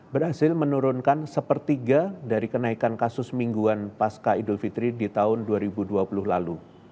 berhasil menurunkan sepertiga dari kenaikan kasus mingguan pasca idul fitri di tahun dua ribu dua puluh lalu